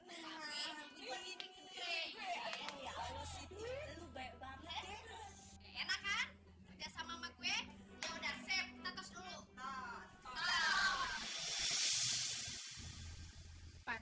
enak kan sama gue ya udah